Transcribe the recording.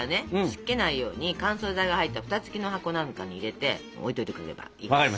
湿気ないように乾燥剤が入ったフタ付きの箱なんかに入れて置いといてくれればいいです。